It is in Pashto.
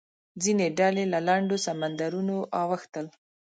ځینې ډلې له لنډو سمندرونو اوښتل.